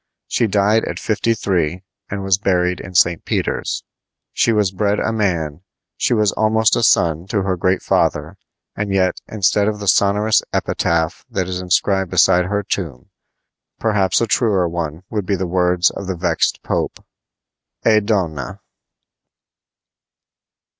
She died at fifty three, and was buried in St. Peter's. She was bred a man, she was almost a son to her great father; and yet, instead of the sonorous epitaph that is inscribed beside her tomb, perhaps a truer one would be the words of the vexed Pope: "E DONNA!"